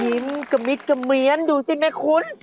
ยิ้มกะมิดกะเมียนดูสิแม่คุ้น